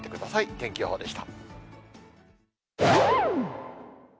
天気予報でした。